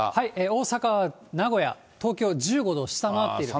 大阪、名古屋、東京、１５度を下回っている。